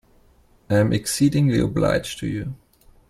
I am exceedingly obliged to you.